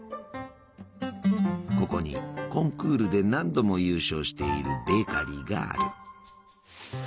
ここにコンクールで何度も優勝しているベーカリーがある。